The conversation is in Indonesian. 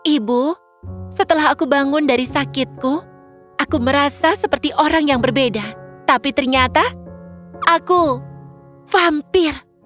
ibu setelah aku bangun dari sakitku aku merasa seperti orang yang berbeda tapi ternyata aku vampir